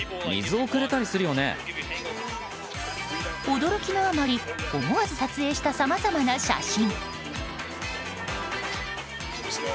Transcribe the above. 驚きのあまり思わず撮影したさまざまな写真。